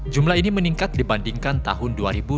jumlah ini meningkat dibandingkan tahun dua ribu dua puluh